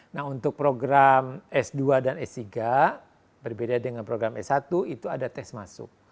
nah untuk program s dua dan s tiga berbeda dengan program s satu itu ada tes masuk